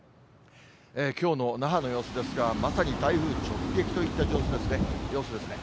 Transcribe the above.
きょうの那覇の様子ですが、まさに台風直撃といった様子ですね。